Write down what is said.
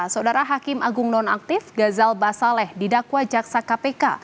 saudara hakim agung nonaktif gazal basaleh didakwa jaksa kpk